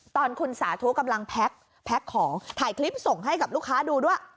ตอนคุณสาธุกำลังแพ็คของถ่ายคลิปส่งให้กับลูกค้าดูด้วย